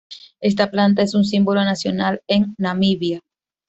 Esta planta es un símbolo nacional en Namibia.